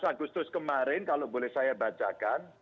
tujuh belas agustus kemarin kalau boleh saya bacakan